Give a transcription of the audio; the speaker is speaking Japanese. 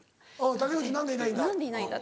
「竹内何でいないんだ」。